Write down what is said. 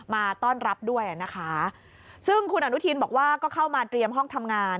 มาต้อนรับด้วยนะคะซึ่งคุณอนุทินบอกว่าก็เข้ามาเตรียมห้องทำงาน